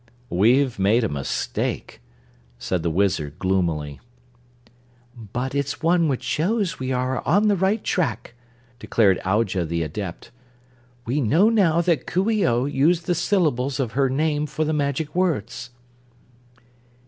"We've made a mistake," said the Wizard gloomily. "But it's one which shows we are on the right track," declared Aujah the Adept. "We know now that Coo ee oh used the syllables of her name for the magic words."